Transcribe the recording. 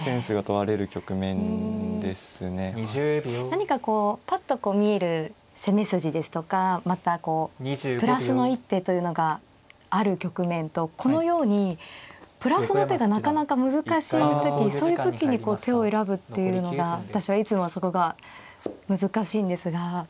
何かこうぱっと見える攻め筋ですとかまたこうプラスの一手というのがある局面とこのようにプラスの手がなかなか難しい時そういう時にこう手を選ぶっていうのが私はいつもそこが難しいんですが。